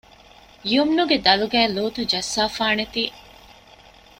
ޔުމްނުގެ ދަލުގައި ލޫޠު ޖައްސަފާނެތީ